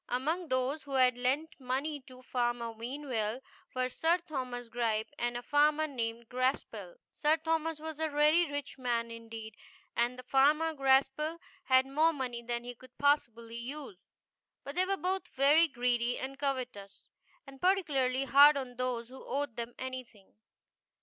. Among those who had lent money to Farmer Mean well were Sir Thomas Gripe, and a Farmer named Graspall. Sir Thomas was a very rich man indeed, and Farmer Graspall had more money than he could possibly use. But they were both very greedy and covetous, and particularly hard on those who owed them anything.